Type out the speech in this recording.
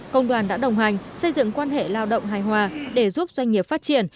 công đoàn đã đồng hành xây dựng quan hệ lao động hài hòa để giúp doanh nghiệp phát triển